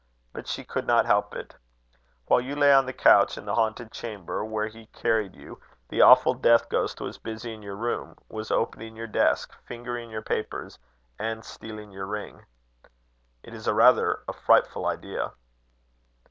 But she could not help it. While you lay on the couch in the haunted chamber, where he carried you, the awful death ghost was busy in your room, was opening your desk, fingering your papers, and stealing your ring. It is rather a frightful idea."